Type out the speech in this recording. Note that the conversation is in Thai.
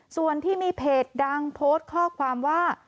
ส่วนที่มีเพจดังโพสต์ข้อความว่า